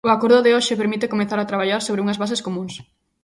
O acordo de hoxe permite comezar a traballar sobre unhas bases comúns.